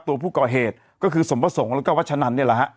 ตัวผู้ก่อเหตุก็คือสมประสงค์แล้วก็วัชนันเนี่ยแหละฮะ